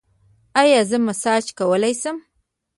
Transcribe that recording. ایا زه مساج کولی شم؟